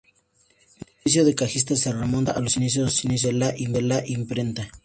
El oficio de cajista se remonta a los inicios de la imprenta.